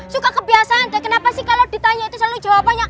suka kebiasaan deh kenapa sih kalau ditanya itu selalu jawabannya